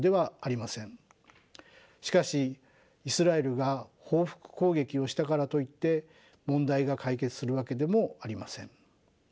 しかしイスラエルが報復攻撃をしたからといって問題が解決するわけでもありません。